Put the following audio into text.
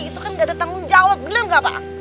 itu kan nggak ada tanggung jawab benar nggak pak